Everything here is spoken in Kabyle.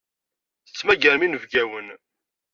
Tettmagarem inebgawen.